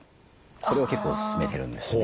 これを結構勧めてるんですね。